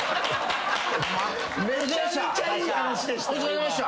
めちゃめちゃいい話でしたよ